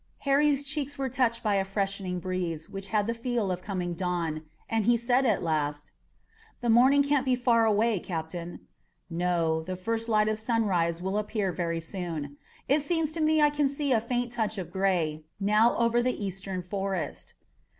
Harry's cheeks were touched by a freshening breeze which had the feel of coming dawn, and he said at last: "The morning can't be far away, Captain." "No, the first light of sunrise will appear very soon. It seems to me I can see a faint touch of gray now over the eastern forest."